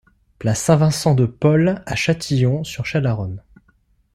Place Saint-Vincent de Paul à Châtillon-sur-Chalaronne